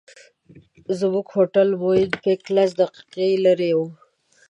زموږ هوټل مووېن پېک لس دقیقې لرې و.